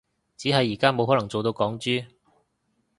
只係而家冇可能做到港豬